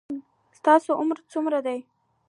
ستاسو عمر څومره ده